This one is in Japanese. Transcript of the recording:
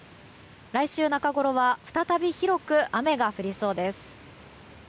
来週中ごろは再び広く雨が降りそうです。